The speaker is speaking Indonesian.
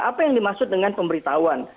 apa yang dimaksud dengan pemberitahuan